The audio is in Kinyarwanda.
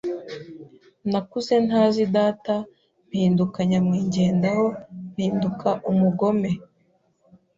nakuze ntazi data mpinduka nyamwigendaho, mpinduka umugome